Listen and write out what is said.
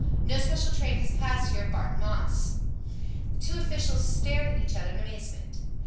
"No special train has passed here. Barton Moss." The two officials stared at each other in amazement.